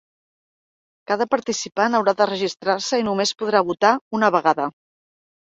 Cada participant haurà de registrar-se i només podrà votar una vegada.